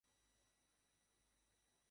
যদি সে চায়, তাহলেই তুমি বেঁচে থাকতে পারবে।